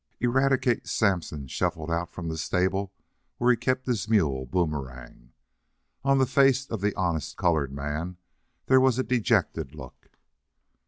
Eradicate Sampson shuffled out from the stable where he kept his mule Boomerang. On the face of the honest colored man there was a dejected look.